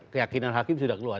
keyakinan hakim sudah keluar